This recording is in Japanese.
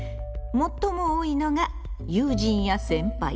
最も多いのが友人や先輩。